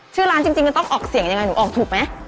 ชื่อร้านจริงมันต้องออกเสียงยังไงหนูออกถูกไหม